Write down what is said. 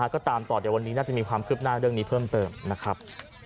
ก็ตามต่อเดี๋ยววันนี้น่าจะมีความคืบหน้าเรื่องนี้เพิ่มเติมนะครับ